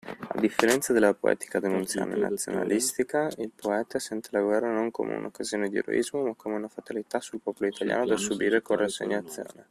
A differenza della poetica D'annunziana e nazionalistica, il poeta sente la guerra non come un occasione di eroismo ma come una fatalità sul popolo italiano da subire con rassegnazione.